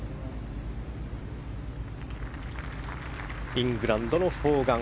イングランドのフォーガン。